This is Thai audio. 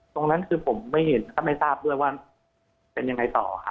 ตรงนั้นคือผมไม่เห็นก็ไม่ทราบด้วยว่าเป็นยังไงต่อค่ะ